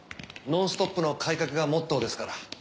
ノンストップの改革がモットーですから。